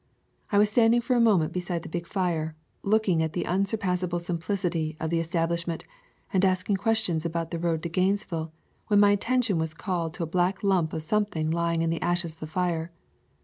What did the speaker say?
I was standing for a moment beside the big fire, look ing at the unsurpassable simplicity of the es tablishment, and asking questions about the road to Gainesville, when my attention was called to a black lump of something lying in the ashes of the fire.